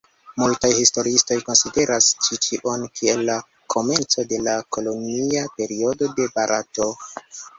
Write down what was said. Multaj historiistoj konsideras ĉi tion kiel la komenco de la kolonia periodo de Barato.